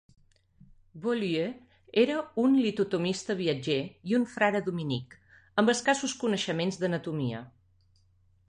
Beaulieu era un litotomista viatger i un frare dominic, amb escassos coneixements d'anatomia.